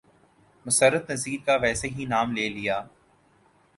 مسرت نذیر کا ویسے ہی نام لے لیا۔